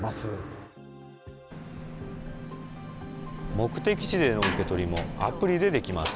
目的地での受け取りもアプリでできます。